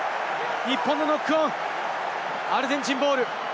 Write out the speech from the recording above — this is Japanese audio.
日本のノックオン、アルゼンチンボール。